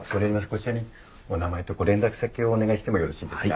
こちらにお名前とご連絡先をお願いしてもよろしいですか？